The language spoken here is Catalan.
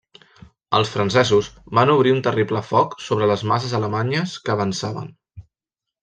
Els francesos van obrir un terrible foc sobre les masses alemanyes que avançaven.